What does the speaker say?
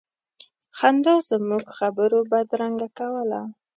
خندا زموږ خبرو بدرګه کوله.